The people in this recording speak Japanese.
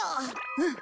うん。